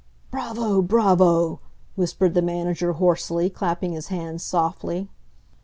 "Bravo! bravo!" whispered the manager, hoarsely, clapping his hands softly.